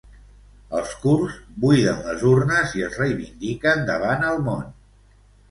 Els kurds buiden les urnes i es reivindiquen davant el món.